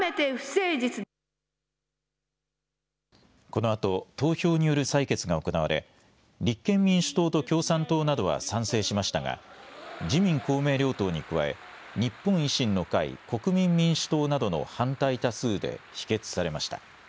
このあと投票による採決が行われ立憲民主党と共産党などは賛成しましたが自民公明両党に加え日本維新の会、国民民主党などの反対多数で否決されました。